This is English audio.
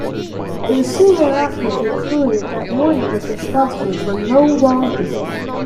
It was soon thereafter concluded that Wardy was responsible for no wrongdoing.